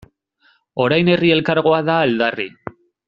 Orain Herri Elkargoa da aldarri.